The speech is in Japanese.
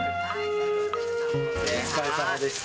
お疲れさまでした。